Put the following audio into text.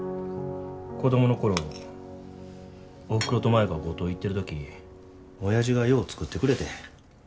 子供の頃おふくろと舞が五島行ってる時おやじがよう作ってくれてん。